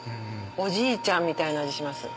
おじいちゃんみたいな味します。